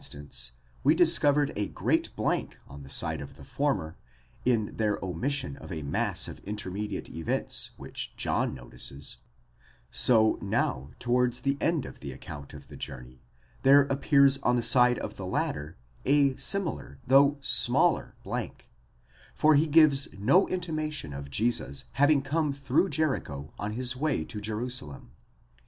As in the first instance, we discovered a great blank on the side of the former, in their omission of a mass of intermediate events which John notices ; so now, towards the end of the account of the journey, there appears on the side of the latter, a similar, though smaller blank, for he gives no intimation of Jesus having come through Jericho on his way to Jerusalem.